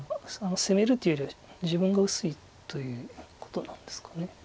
攻めるっていうよりは自分が薄いということなんですか。